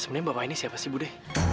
sebenarnya bapak ini siapa sih budi